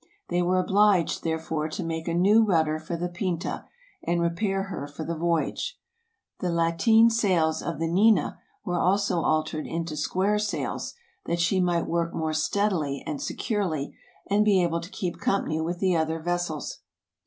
They were obliged, there fore, to make a new rudder for the " Pinta '' and repair her for the voyage. The latine sails of the "Nina" were also altered into square sails, that she might work more steadily and securely, and be able to keep company with the other vessels.